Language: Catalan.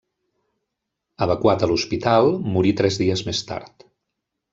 Evacuat a l'hospital, morí tres dies més tard.